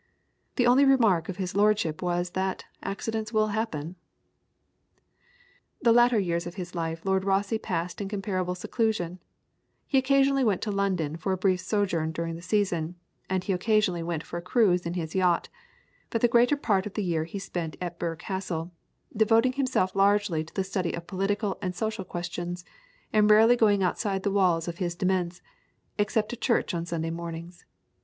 The only remark of his lordship was that "accidents will happen." The latter years of his life Lord Rosse passed in comparative seclusion; he occasionally went to London for a brief sojourn during the season, and he occasionally went for a cruise in his yacht; but the greater part of the year he spent at Birr Castle, devoting himself largely to the study of political and social questions, and rarely going outside the walls of his demesne, except to church on Sunday mornings.